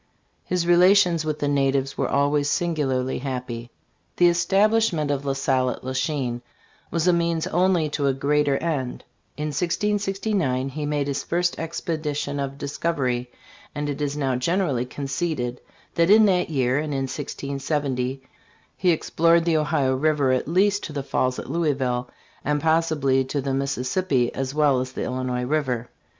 His relations with the natives were always singularly happy. The establishment of La Salle at La Chine was a means only to a great er end. In 1669 he made his first expedition of discovery, and it is now generally conceded that in that year and in 1670 he explored the Ohio river at least to the falls at Louisville, rmd possibly to the Mississippi as well as the Illinois river.